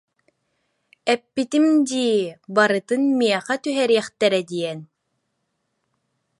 Эппитим дии, барытын миэхэ түһэриэхтэрэ диэн